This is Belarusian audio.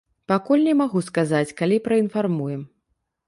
Пакуль не магу сказаць, калі праінфармуем.